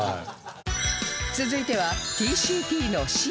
続いては ＴＣＴ の Ｃ